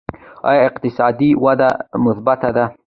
آیا اقتصادي وده مثبته ده؟